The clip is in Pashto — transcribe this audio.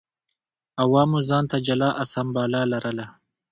عوامو ځان ته جلا اسامبله لرله